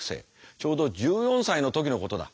ちょうど１４歳の時のことだ。